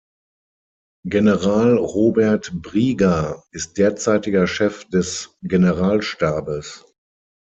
General Robert Brieger ist derzeitiger Chef des Generalstabes.